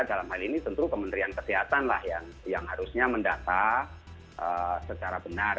dalam hal ini tentu kementerian kesehatan lah yang harusnya mendata secara benar